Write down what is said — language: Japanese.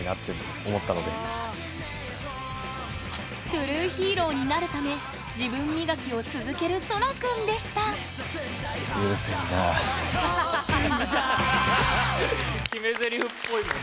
トゥルーヒーローになるため自分磨きを続けるそらくんでした決めゼリフっぽい。